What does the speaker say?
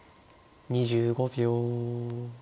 ２５秒。